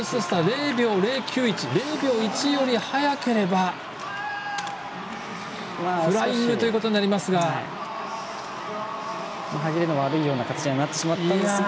０秒０９１０秒１より早ければフライングということになりますが。はぎれの悪いような形にはなってしまったんですが。